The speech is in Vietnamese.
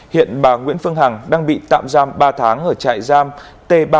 hiện bà nguyễn phương hằng đang bị tạm giam ba tháng ở trại giam t ba